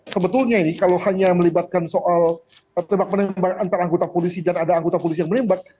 sebetulnya ini kalau hanya melibatkan soal tembak menembak antara anggota polisi dan ada anggota polisi yang menembak